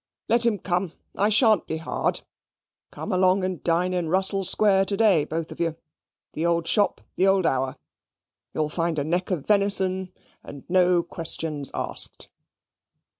Let him come. I shan't be hard. Come along, and dine in Russell Square to day: both of you. The old shop, the old hour. You'll find a neck of venison, and no questions asked."